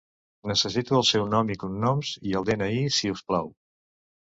Necessito el seu nom i cognoms i el de-ena-i, si us plau.